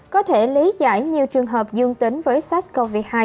có thể lý giải nhiều trường hợp dương tính với sars cov hai